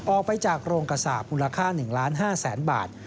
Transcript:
ออกไปจากโรงกระสาปมูลค่า๑๕๐๐๐๐บาท